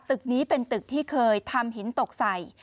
ตึกนี้เป็นตึกที่เคยทำหินตกใส่